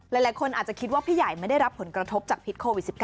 หลายคนอาจจะคิดว่าพี่ใหญ่ไม่ได้รับผลกระทบจากพิษโควิด๑๙